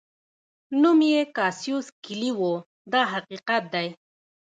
نوم یې کاسیوس کلي و دا حقیقت دی.